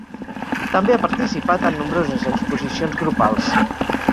També ha participat en nombroses exposicions grupals.